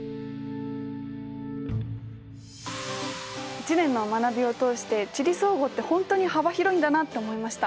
一年の学びを通して「地理総合」って本当に幅広いんだなって思いました。